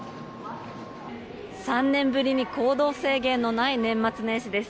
３年ぶりに行動制限のない年末年始です。